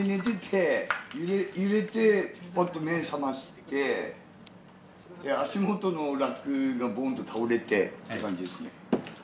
揺れて、パッと目を覚まして、足元のラックがボンと倒れてって感じですね。